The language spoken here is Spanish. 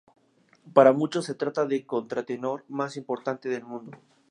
Para muchos se trata del contratenor más importante del mundo.